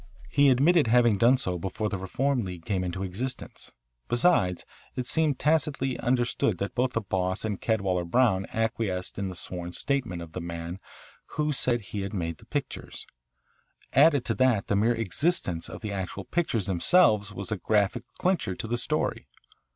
He admitted having done so before the Reform League came into existence. Besides it seemed tacitly understood that both the Boss and Cadwalader Brown acquiesced in the sworn statement of the man who said he had made the pictures. Added to that the mere existence of the actual pictures themselves was a graphic clincher to the story.